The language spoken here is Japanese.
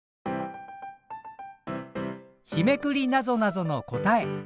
日めくりなぞなぞの答え。